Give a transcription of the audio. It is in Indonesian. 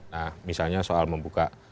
nah misalnya soal membuka